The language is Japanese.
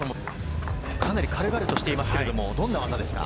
かなり軽々としていますが、どんな技ですか？